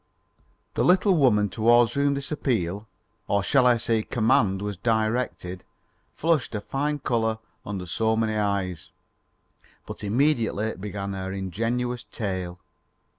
The little woman towards whom this appeal or shall I say command was directed, flushed a fine colour under so many eyes, but immediately began her ingenuous tale.